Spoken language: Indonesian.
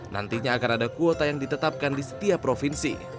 nantinya akan ada kuota yang ditetapkan di setiap provinsi